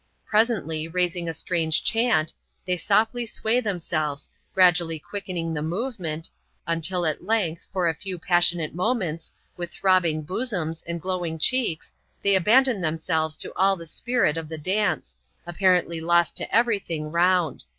Presently, raising a strange chant, they softly sway themselves, gradually quickening the movement, until at length, for a few passionate moments, with throbbing bosoms, and glow ing cheeks, they abandon themselves to all the spirit of the dance, apparently lost to every thing around.